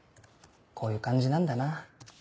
こういう感じなんだな。